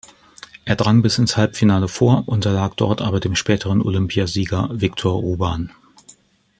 Er drang bis ins Halbfinale vor, unterlag dort aber dem späteren Olympiasieger Wiktor Ruban.